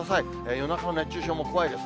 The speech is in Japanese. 夜中の熱中症も怖いです。